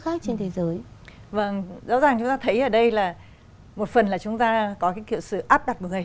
khác trên thế giới rõ ràng chúng ta thấy ở đây là một phần là chúng ta có cái kiểu sự áp đặt người